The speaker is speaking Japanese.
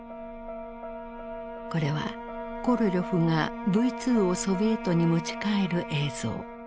これはコロリョフがＶ２をソビエトに持ち帰る映像。